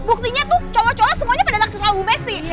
buktinya tuh cowok cowok semuanya pada naksional bu messi